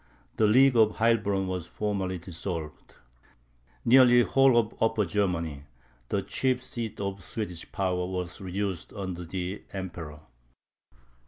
The League of Heilbronn was formally dissolved. Nearly the whole of Upper Germany, the chief seat of the Swedish power, was reduced under the Emperor.